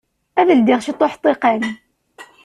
Ad ldiɣ ciṭuḥ ṭṭiqan.